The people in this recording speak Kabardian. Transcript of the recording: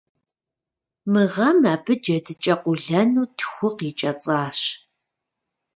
Мы гъэм абы джэдыкӀэ къуэлэну тху къикӀэцӀащ.